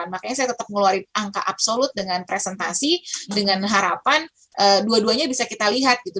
makanya saya tetap ngeluarin angka absolut dengan presentasi dengan harapan dua duanya bisa kita lihat gitu